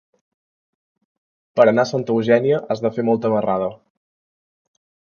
Per anar a Santa Eugènia has de fer molta marrada.